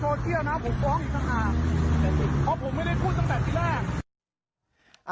เพราะผมไม่ได้พูดตั้งแต่ที่แรก